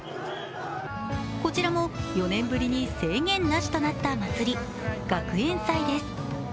こちらも、４年ぶりに制限なしとなった祭り、学園祭です。